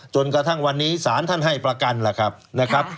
จนกระทั่งวันนี้สารท่านให้ประกันนะครับ